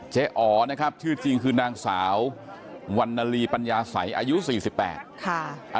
เจ๊อ๋อนะครับชื่อจริงคือนางสาววันนาลีปัญญาไสอายุสี่สิบแปดค่ะ